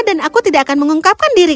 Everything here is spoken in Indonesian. dan aku tidak akan mengungkapkan diriku